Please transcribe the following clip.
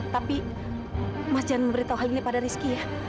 tapi mas jan memberitahu hal ini pada rizky ya